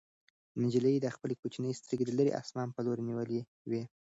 نجلۍ خپلې کوچنۍ سترګې د لیرې اسمان په لور نیولې وې.